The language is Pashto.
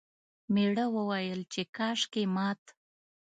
میړه وویل چې کاشکې مات...